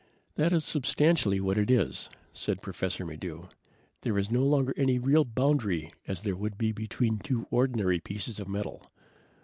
"That is substantially what it is," said Professor Maddox. "There is no longer any real boundary as there would be between two ordinary pieces of metal.